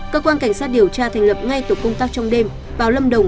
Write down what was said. cơ quan cảnh sát điều tra thành lập ngay tổ công tác trong đêm vào lâm đồng